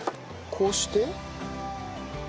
こうして。